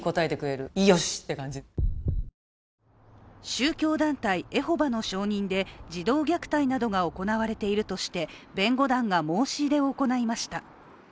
宗教団体エホバの証人で児童虐待などが行われているとして弁護団が申し入れを行いました。